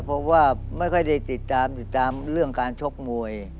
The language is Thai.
เพราะว่าไม่ค่อยได้ติดตามติดตามเรื่องการชกมวย